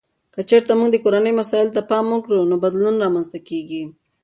که چیرته موږ د کورنیو مسایلو ته پام وکړو، نو بدلون رامنځته کیږي.